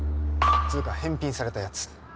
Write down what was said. つうか返品されたやつ。